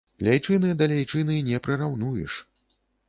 Ляйчыны да ляйчыны не прыраўнуеш.